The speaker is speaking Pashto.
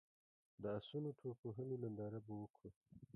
د اسونو ټوپ وهلو ننداره به وکړو.